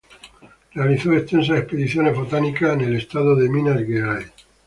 Realizó extensas expediciones botánicas en el Estado de Minas Gerais.